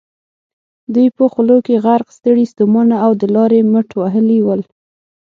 دوی په خولو کې غرق، ستړي ستومانه او د لارې مټ وهلي ول.